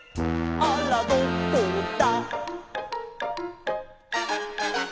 「あらどこだ」